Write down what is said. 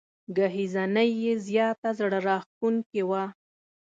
ګهیځنۍ یې زياته زړه راښکونکې وه.